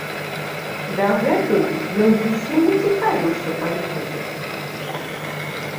Дагэтуль ён зусім не цікавіўся палітыкай.